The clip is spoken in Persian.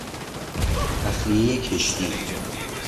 تخلیهی کشتی